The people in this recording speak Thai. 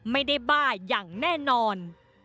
ไม่ได้บ้าอย่างแน่นอน